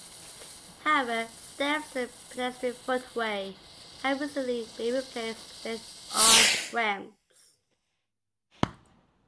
However, steps to the pedestrian foot way have recently been replaced with on-ramps.